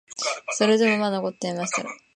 それでもまだ残っていましたから、